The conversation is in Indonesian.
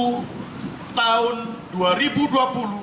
terkait penyelidikan terhadap pemerintah